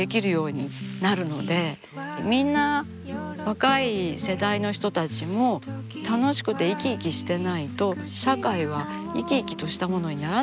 みんな若い世代の人たちも楽しくて生き生きしてないと社会は生き生きとしたものにならないと思うんですよね。